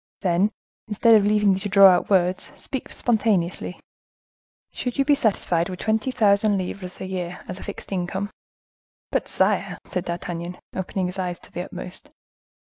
"Then, instead of leaving you to draw out words, speak spontaneously. Should you be satisfied with twenty thousand livres a year as a fixed income?" "But, sire" said D'Artagnan, opening his eyes to the utmost.